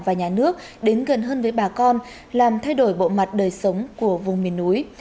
và nhà nước đến gần hơn với bà con làm thay đổi bộ mặt đời sống của vùng miền núi